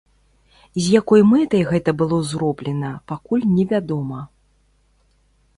З якой мэтай гэта было зроблена, пакуль невядома.